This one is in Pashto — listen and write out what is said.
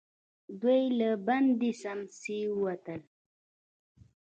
دوئ له بندې سمڅې ووتل.